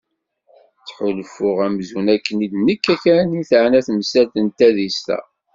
Ttḥulfuɣ amzun akken d nekk kan i teɛna temsalt n tadist-a.